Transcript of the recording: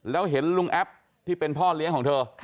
แล้วเห็นลุงแอปที่เป็นพ่อเลี้ยงของเธอ